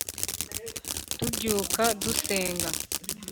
tubyuka dusenga